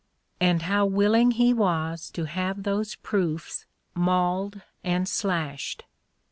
And how willing he was to have those proofs mauled and slashed!